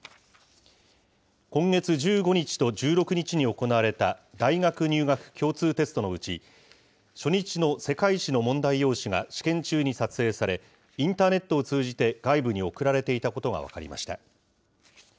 今月１５日と１６日に行われた大学入学共通テストのうち、初日の世界史の問題用紙が試験中に撮影され、インターネットを通じて外部に送られていたことが分かりました。